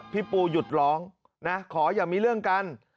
พี่ปูหยุดร้องนะขออย่ามีเรื่องกัน